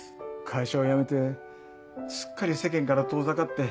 会社を辞めてすっかり世間から遠ざかって。